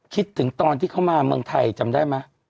คิดถึงตอนที่เขามาเมืองไทยจำได้ไหม